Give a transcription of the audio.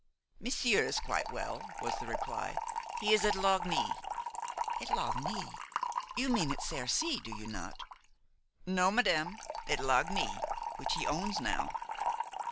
"Monsieur is quite well," was the reply; "he is at Lagny." "At Lagny! you mean at Cercy, do you not?" "No, madame, at Lagny, which he owns now."